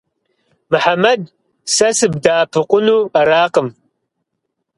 Мухьэмэд, сэ сыбдэмыӀэпыкъуну аракъым.